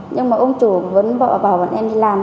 nhưng mà ông chủ vẫn vợ bảo bọn em đi làm